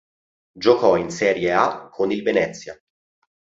Giocò in Serie A con il Venezia.